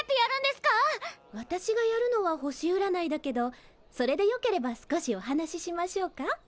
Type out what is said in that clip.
私がやるのは星うらないだけどそれでよければ少しお話ししましょうか？